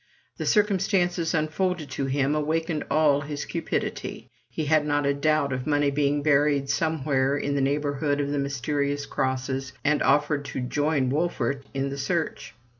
The circumstances unfolded to him awakened all his cupidity; he had not a doubt of money being buried some where in the neighborhood of the mysterious crosses, and offered to join Wolfert in the search.